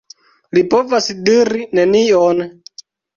Li povas diri nenion.